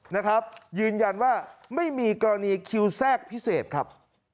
นะครับยืนยันว่าไม่มีกรณีคิวแทรกพิเศษครับ